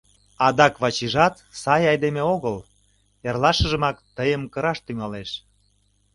Адак Вачижат сай айдеме огыл: эрлашыжымак тыйым кыраш тӱҥалеш...